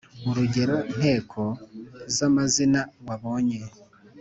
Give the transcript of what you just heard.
Urugero nteko z’amazina wabonye